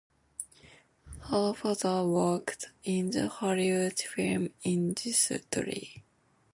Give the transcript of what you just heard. Her father worked in the Hollywood film industry.